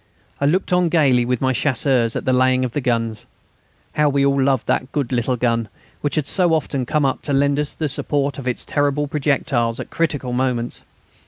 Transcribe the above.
I looked on gaily with my Chasseurs at the laying of the guns. How we all loved that good little gun, which had so often come up to lend us the support of its terrible projectiles at critical moments!